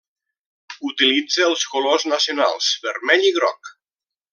Utilitza els colors nacionals vermell i groc.